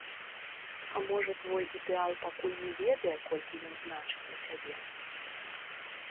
А можа, твой ідэал пакуль не ведае, колькі ён значыць для цябе?